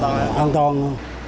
an toàn không